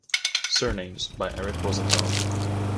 Surnames by Eric Rosenthal.